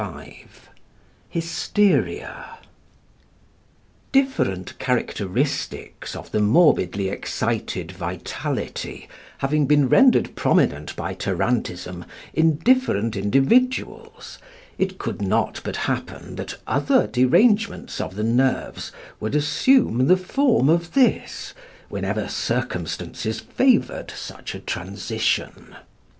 5 HYSTERIA Different characteristics of the morbidly excited vitality having been rendered prominent by tarantism in different individuals, it could not but happen that other derangements of the nerves would assume the form of this whenever circumstances favoured such a transition.